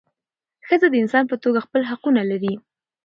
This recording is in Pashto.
ښځه د انسان په توګه خپل حقونه لري .